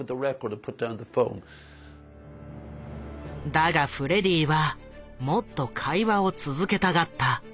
だがフレディはもっと会話を続けたがった。